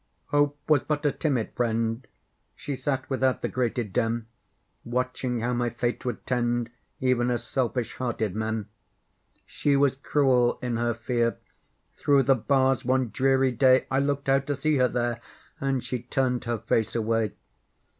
Hope Was but a timid friend; She sat without the grated den, Watching how my fate would tend, Even as selfish hearted men. She was cruel in her fear; Through the bars one dreary day, I looked out to see her there, And she turned her face away!